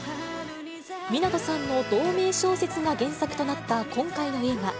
湊さんの同名小説が原作となった今回の映画。